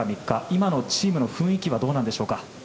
今のチームの雰囲気はどうなんでしょうか。